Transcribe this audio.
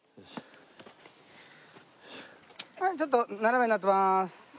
ちょっと斜めになってます。